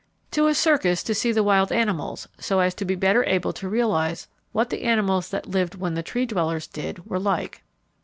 To a circus to see the wild animals, so as to be better able to realize what the animals that lived when the Tree dwellers did were like.